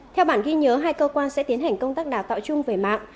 theo bản ghi nhớ hai cơ quan sẽ tiến hành công tác đào tạo chung về mạng